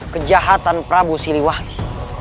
kejahatan prabu siliwangi